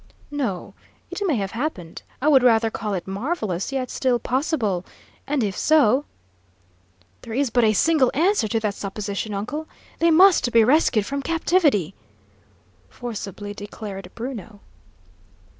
"No. It may have happened. I would rather call it marvellous, yet still possible. And if so " "There is but a single answer to that supposition, uncle; they must be rescued from captivity!" forcibly declared Bruno.